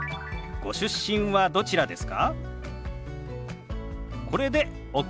ご出身はどちらですか？